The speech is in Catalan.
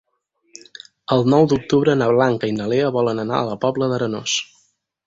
El nou d'octubre na Blanca i na Lea volen anar a la Pobla d'Arenós.